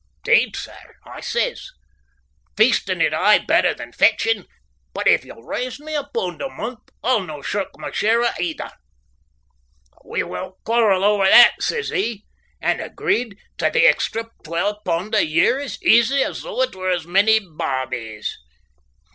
"'Deed, sir," I says, "feastin' is aye better than fechtin' but if ye'll raise me a pund a month, I'll no' shirk my share o' either." "We won't quarrel ower that," says he, and agreed tae the extra twal' pund a year as easy as though it were as many bawbees.